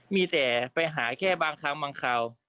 มีแต่ไปหาแค่บางครั้งบางคราว